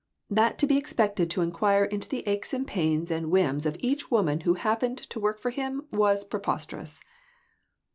That to be expected to enquire into the aches and pains and whims of each woman who hap pened to work for .him, was preposterous.